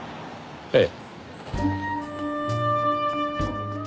ええ。